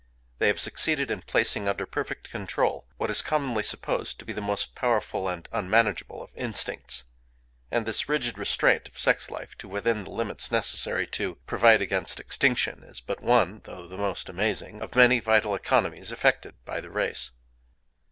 They have succeeded in placing under perfect control what is commonly supposed to be the most powerful and unmanageable of instincts. And this rigid restraint of sex life to within the limits necessary to provide against extinction is but one (though the most amazing) of many vital economies effected by the race.